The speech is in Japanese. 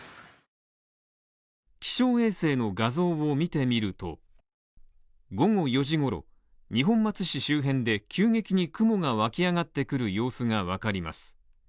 気象衛星の画像を見てみると、午後４時ごろ、二本松市周辺で急激に雲が湧き上がってくる様子がわかります。